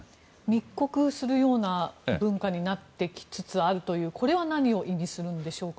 密告するような文化になってきつつあるというこれは何を意味するんでしょうか？